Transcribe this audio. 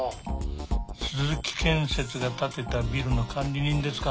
鈴木建設が建てたビルの管理人ですか。